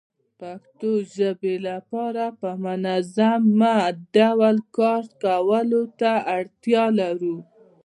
پښتو ژبې لپاره په منظمه ډول کار کولو ته اړتيا لرو